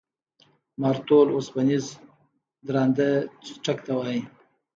مارتول اوسپنیز درانده څټک ته وایي.